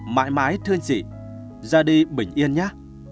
mãi mãi thương chị ra đi bình yên nhé